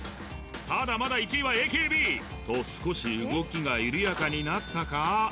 まだまだ１位はＡＫＢと少し動きが緩やかになったか？